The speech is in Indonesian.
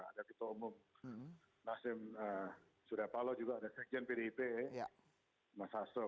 ada ketua umum nasim sudapalo juga ada sekjen pdip mas hastro